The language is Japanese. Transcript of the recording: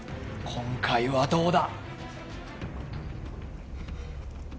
今回はどうだ？